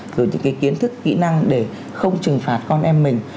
rồi những cái kiến thức kỹ năng để không trừng phạt con em mình